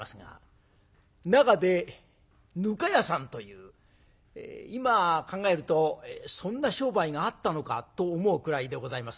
中でぬか屋さんという今考えるとそんな商売があったのかと思うくらいでございますが。